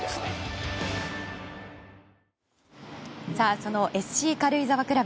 そのＳＣ軽井沢クラブ